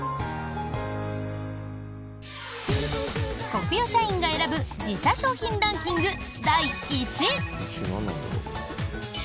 コクヨ社員が選ぶ自社商品ランキング、第１位。